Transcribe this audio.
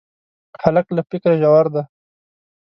هلک له فکره ژور دی.